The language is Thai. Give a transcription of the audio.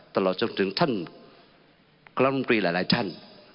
ตลอดจนถึงท่านกรรมตรีหลายท่าน